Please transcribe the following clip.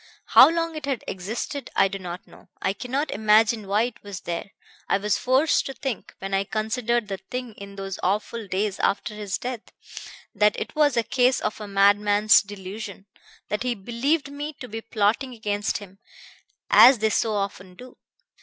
How long it had existed I do not know. I cannot imagine why it was there. I was forced to think, when I considered the thing in those awful days after his death, that it was a case of a madman's delusion, that he believed me to be plotting against him, as they so often do.